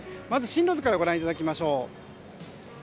進路図からご覧いただきましょう。